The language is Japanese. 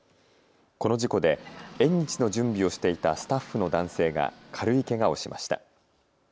この事故で縁日の準備をしていたスタッフの男性が軽いけがをしました。